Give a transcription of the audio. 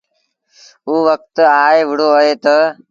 اوٚ وکت آئي وهُڙو اهي تا